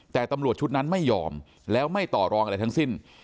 แต่ตำรวจชุดนั้นไม่ยอมแล้วไม่ต่อรองอะไรทั้งสิ้น